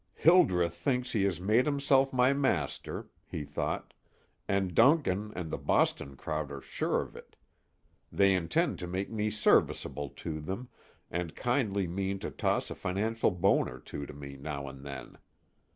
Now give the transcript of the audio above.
"Hildreth thinks he has made himself my master," he thought, "and Duncan and the Boston crowd are sure of it. They intend to make me serviceable to them, and kindly mean to toss a financial bone or two to me now and then.